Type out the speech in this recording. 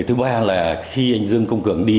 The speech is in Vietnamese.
thứ ba là khi anh dương công cường đi